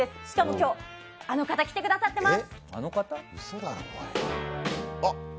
今日あの方が来てくださっています。